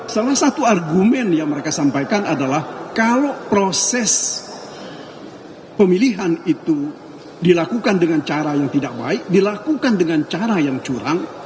salah satu argumen yang mereka sampaikan adalah kalau proses pemilihan itu dilakukan dengan cara yang tidak baik dilakukan dengan cara yang curang